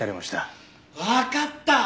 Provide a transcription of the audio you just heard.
わかった！